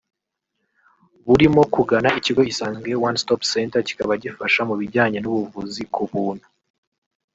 burimo kugana ikigo Isange One Stop Centre kikaba gifasha mu bijyanye n’ubuvuzi ku buntu